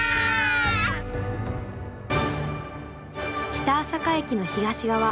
北朝霞駅の東側。